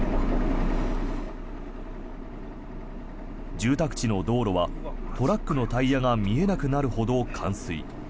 住宅地の道路はトラックのタイヤが見えなくなるほど冠水。